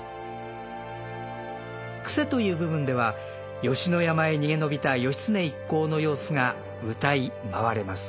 クセという部分では吉野山へ逃げ延びた義経一行の様子が謡い舞われます。